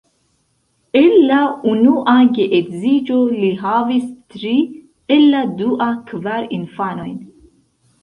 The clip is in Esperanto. El la unua geedziĝo li havis tri, el la dua kvar infanojn.